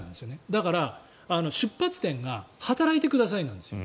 だから、出発点が働いてくださいなんですよ。